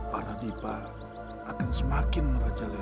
para dipa akan semakin merajalela